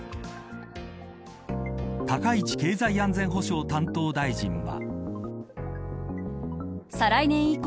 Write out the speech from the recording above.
高市経済安全保障大臣は。